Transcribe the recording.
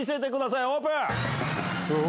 オープン！